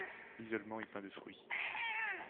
L’isolement est plein de fruits.